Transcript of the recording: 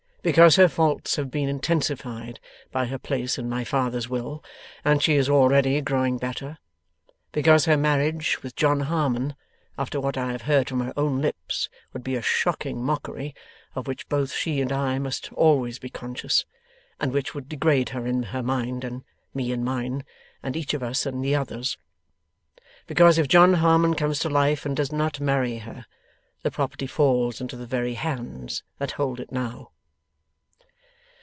Because her faults have been intensified by her place in my father's will, and she is already growing better. Because her marriage with John Harmon, after what I have heard from her own lips, would be a shocking mockery, of which both she and I must always be conscious, and which would degrade her in her mind, and me in mine, and each of us in the other's. Because if John Harmon comes to life and does not marry her, the property falls into the very hands that hold it now.